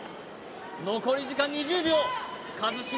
残り時間２０秒一茂